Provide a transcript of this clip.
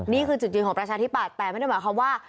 นี่คือจุดยืนของประชาธิปัตย์แต่ไม่ได้หมายความว่า